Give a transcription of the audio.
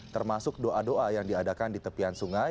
termasuk doa doa yang diadakan di tepian sungai